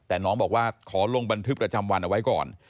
แต่น้องบอกว่าขอลงบันทึกประจำวันเอาไว้ก่อน